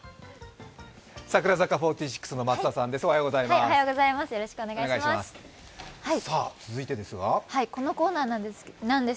櫻坂４６の松田さんです。